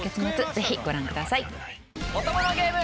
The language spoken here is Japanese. ぜひご覧ください。